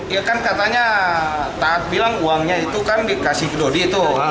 ya kan katanya taat bilang uangnya itu kan dikasih dodi tuh